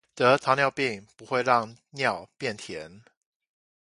得糖尿病不會讓尿變甜